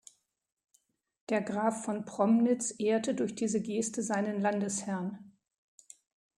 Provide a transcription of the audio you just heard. Der Graf von Promnitz ehrte durch diese Geste seinen Landesherrn.